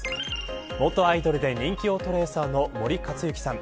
元アイドルで人気オートレーサーの森且行さん。